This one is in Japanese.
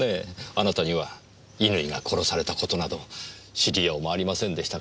あなたには乾が殺された事など知りようもありませんでしたからねぇ。